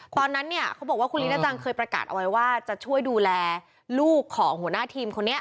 ตอนนั้นเนี่ยเขาบอกว่าคุณลีน่าจังเคยประกาศเอาไว้ว่าจะช่วยดูแลลูกของหัวหน้าทีมคนนี้